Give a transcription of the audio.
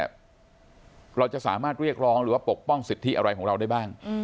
สร้างมาตรกรรมหรือปกป้องสิทธิอะไรของเราได้บ้าง